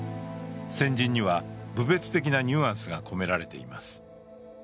鮮人には侮蔑的なニュアンスが込められています。